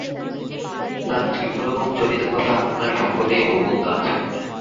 তাঁর জীবন এবং চরিতকথা আপনারা সকলেই অবগত আছেন।